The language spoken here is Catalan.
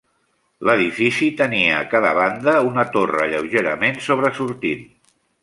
L'edifici tenia a cada banda una torre lleugerament sobresortint.